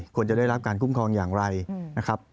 ควรจะได้รับการคุ้มครองอย่างไรนะครับ